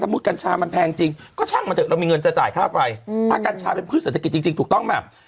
กัญชามันแพงจริงก็ช่างมาเถอะเรามีเงินจะจ่ายค่าไฟอืมถ้ากัญชาเป็นพืชเศรษฐกิจจริงถูกต้องไหม